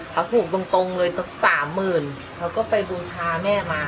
เขาถูกตรงเลยสักสามหมื่นเขาก็ไปบูชาแม่มา